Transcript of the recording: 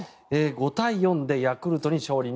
５対４でヤクルトに勝利。